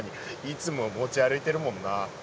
いつも持ち歩いているもんな。